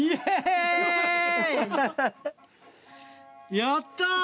やったー！